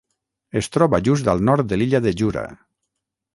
Es troba just al nord de l'illa de Jura.